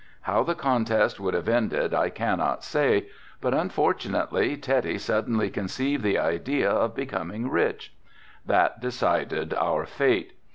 How the contest would have ended I cannot say, but unfortunately Teddy suddenly conceived the idea of becoming rich. That decided our fate.